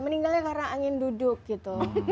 meninggalnya karena angin duduk gitu